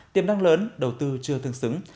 tiềm năng lớn đầu tư chưa thương xứng